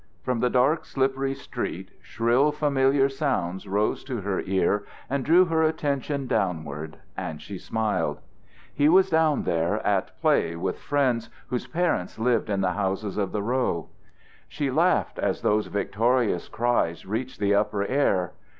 From the dark slippery street shrill familiar sounds rose to her ear and drew her attention downward and she smiled. He was down there at play with friends whose parents lived in the houses of the row. She laughed as those victorious cries reached the upper air.